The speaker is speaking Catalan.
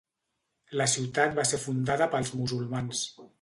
La ciutat va ser fundada pels musulmans.